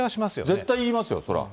絶対言いますよ、そりゃ。